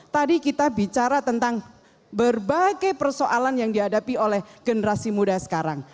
tadi kita bicara tentang berbagai persoalan yang dihadapi oleh generasi muda sekarang